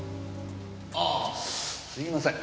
あぁすいません。